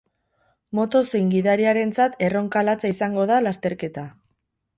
Moto zein gidariarentzat erronka latza izango da lasterketa.